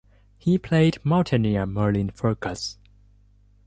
He played mountaineer Merlin Fergus.